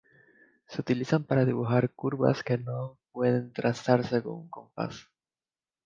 Se utilizan para dibujar curvas que no pueden trazarse con un compás.